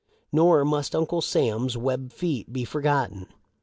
Nor must Uncle Sam's web feet be forgotten.